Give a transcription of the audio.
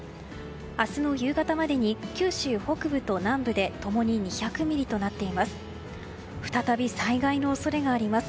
明日の夕方までに九州北部と南部で共に２００ミリとなっています。